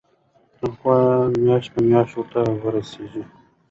تنخوا میاشت په میاشت ورته رسیږي.